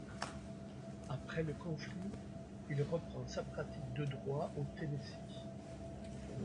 Après le conflit, il reprend sa pratique de droit au Tennessee.